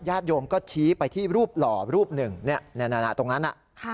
โยมก็ชี้ไปที่รูปหล่อรูปหนึ่งตรงนั้นน่ะ